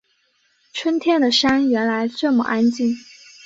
春天的山原来这么安静